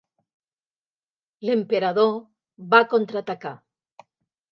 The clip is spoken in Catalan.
L'emperador va contraatacar.